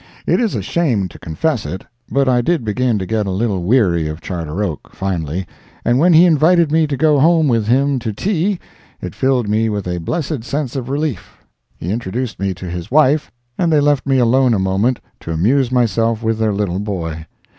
It is a shame to confess it, but I did begin to get a little weary of Charter Oak, finally, and when he invited me to go home with him to tea, it filled me with a blessed sense of relief. He introduced me to his wife, and they left me alone a moment to amuse myself with their little boy.